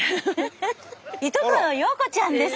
いとこの陽子ちゃんです。